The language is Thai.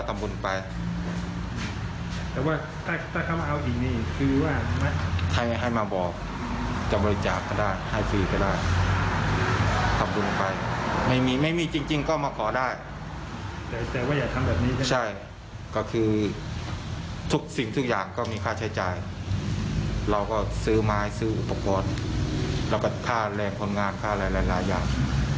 ถ้าไม่มีค่าใช้จ่ายเราก็ซื้อไม้ซื้ออุปกรณ์แล้วก็ค่าแรงผลงานค่าหลายอย่าง